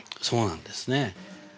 そうなんですね。